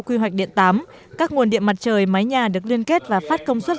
quy hoạch điện tám các nguồn điện mặt trời mái nhà được liên kết và phát công suất